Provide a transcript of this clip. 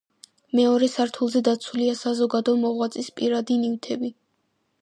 მეორე სართულზე დაცულია საზოგადო მოღვაწის პირადი ნივთები.